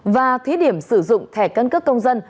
và thí điểm sử dụng thẻ căn cước công dân